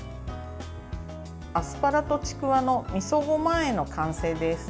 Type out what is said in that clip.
アスパラとちくわのみそごまあえの完成です。